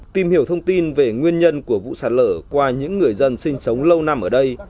tìm hiểu thông tin về nguyên nhân của vụ sạt lở qua những người dân sinh sống lâu năm ở đây